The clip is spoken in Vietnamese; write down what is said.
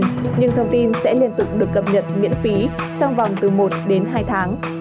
nhưng thông tin sẽ liên tục được cập nhật miễn phí trong vòng từ một đến hai tháng